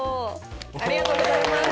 ありがとうございます。